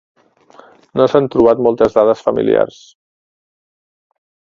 No s'han trobat moltes dades familiars.